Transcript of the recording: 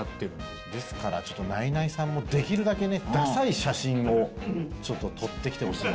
ですからちょっとナイナイさんもできるだけねダサい写真をちょっと撮ってきてほしいなと思いますね。